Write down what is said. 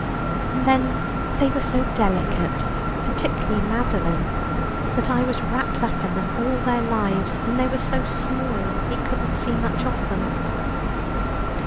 And then they were so delicate, particularly Madeline, that I was wrapped up in them all their lives; and they were so small, he couldn't see much of them."